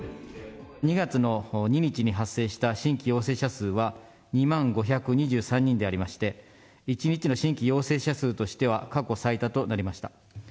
２月の２日に発生した新規陽性者数は２万５２３人でありまして、１日の新規陽性者数としては、過去最多となりました。